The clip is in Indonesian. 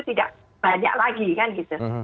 tidak banyak lagi kan gitu